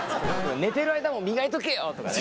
寝てる間も磨いとけよとかね。